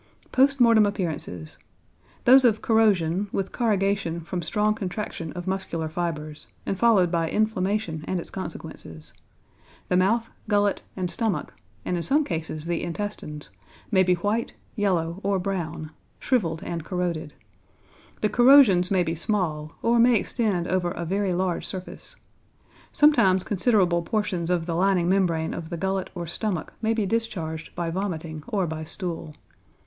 Post Mortem Appearances. Those of corrosion, with corrugation from strong contraction of muscular fibres, and followed by inflammation and its consequences. The mouth, gullet, and stomach, and in some cases the intestines, may be white, yellow, or brown, shrivelled and corroded. The corrosions may be small, or may extend over a very large surface. Sometimes considerable portions of the lining membrane of the gullet or stomach may be discharged by vomiting or by stool.